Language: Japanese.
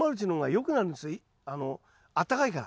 あったかいから。